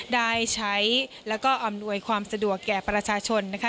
ได้ใช้แล้วก็อำนวยความสะดวกแก่ประชาชนนะคะ